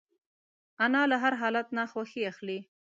انا له هر حالت نه خوښي اخلي